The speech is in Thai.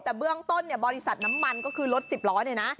แต่เบื้องต้นเนี่ยบริษัทน้ำมันก็คือรถสิบล้อเนี่ยนะ